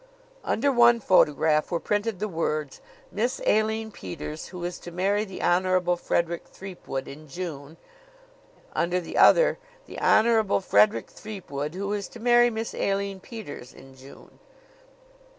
Under one photograph were printed the words: "Miss Aline Peters, who is to marry the Honorable Frederick Threepwood in June"; under the other: "The Honorable Frederick Threepwood, who is to marry Miss Aline Peters in June."